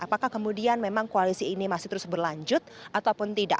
apakah kemudian memang koalisi ini masih terus berlanjut ataupun tidak